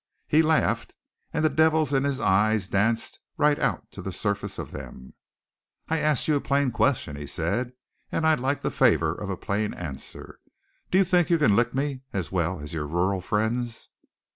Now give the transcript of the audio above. He laughed, and the devils in his eyes danced right out to the surface of them. "I asked you a plain question," he said, "and I'd like the favour of a plain answer. Do you think you can lick me as well as your rural friends?"